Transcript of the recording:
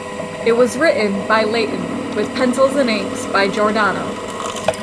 It was written by Layton with pencils and inks by Giordano.